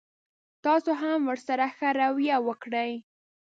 تاسو هم ورسره ښه رويه وکړئ.